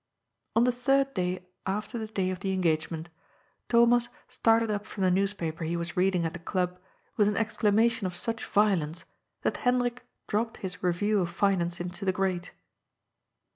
On the third day after the day of the engagement Thomas started up from the newspaper he was reading at the Club with an exclamation of such violence that Hendrik dropped his " Review of Finance " into the grate.